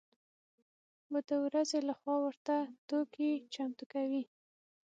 و د ورځې له خوا ورته توکي چمتو کوي.